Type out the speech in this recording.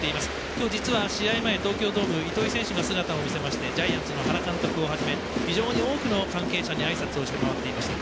今日実は試合前、東京ドームに糸井選手が姿を現しましてジャイアンツの原監督をはじめて多くの関係者にあいさつをしていらっしゃいました。